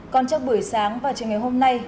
còn trong buổi sáng và trường ngày hôm nay